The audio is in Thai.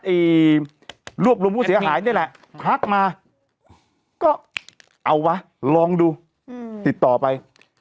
รวบรวมผู้เสียหายนี่แหละทักมาก็เอาวะลองดูติดต่อไป